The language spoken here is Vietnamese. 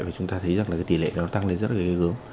và chúng ta thấy rằng là tỷ lệ nó tăng lên rất là gớm